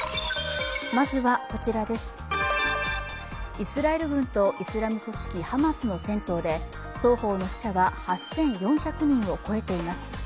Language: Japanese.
イスラエル軍とイスラム組織ハマスの戦闘で双方の死者は８４００人を超えています。